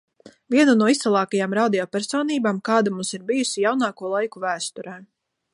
Viena no izcilākajām radio personībām, kāda mums ir bijusi jaunāko laiku vēsturē.